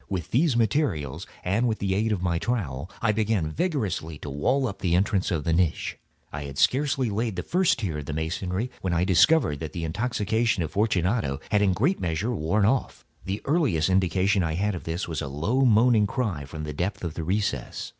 With these materials and with the aid of my trowel, I began vigorously to wall up the entrance of the niche. I had scarcely laid the first tier of my masonry when I discovered that the intoxication of Fortunato had in a great measure worn off. The earliest indication I had of this was a low moaning cry from the depth of the recess.